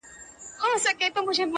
خدايه دا ټـپه مي په وجود كـي ده!!